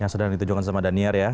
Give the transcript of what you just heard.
yang sudah ditujukan sama daniel ya